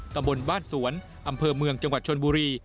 ตำบลบ้านสวนอำเภอเมืองจังหวัดชนบุรี